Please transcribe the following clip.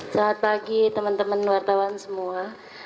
selamat pagi teman teman wartawan semua